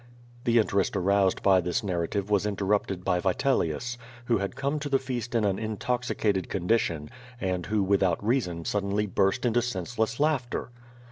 " The interest aroused by this narrative was interrupted by Vitelius, who had come to the feast in an intoxicated con dition, and who without reason suddenly burst into senseless laughter.